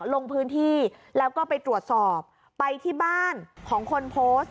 ลงพื้นที่แล้วก็ไปตรวจสอบไปที่บ้านของคนโพสต์